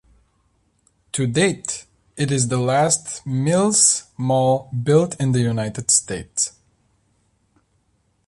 To date, it is the last Mills mall built in the United States.